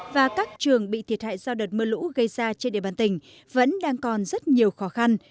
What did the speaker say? và các trường bị thiệt hại do đợt mưa lũ gây ra trên địa bàn tỉnh vẫn đang còn rất nhiều khó khăn